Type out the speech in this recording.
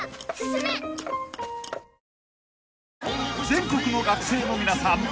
［全国の学生の皆さん